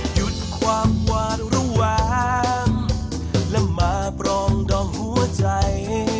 หยุดความหวานระหว่างและมาปรองดอมหัวใจ